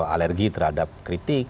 alergi terhadap kritik